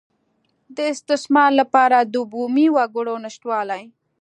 د استثمار لپاره د بومي وګړو نشتوالی.